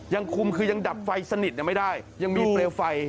ยังคุมคือยังดับไฟสนิทไม่ได้ยังมีเปลวไฟ